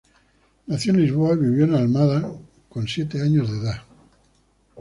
Nació en Lisboa y vivió en Almada con siete años de edad.